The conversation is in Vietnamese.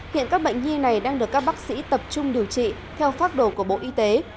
hiện các bệnh nhi này đang được các bác sĩ tập trung điều trị theo pháp đồ của bộ y tế